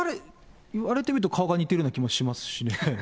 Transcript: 言われてみると顔が似てるような気もしますしね。